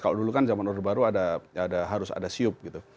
kalau dulu kan zaman orde baru ada harus ada siup gitu